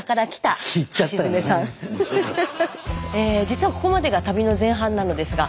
実はここまでが旅の前半なのですが。